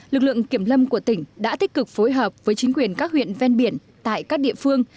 lực lượng kiểm lâm của tỉnh đã tích cực phối hợp với chính quyền các huyện ven biển tại các địa phương